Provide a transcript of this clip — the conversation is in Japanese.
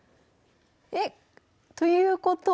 えっということはあれ？